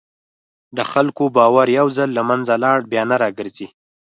د خلکو باور یو ځل له منځه لاړ، بیا نه راګرځي.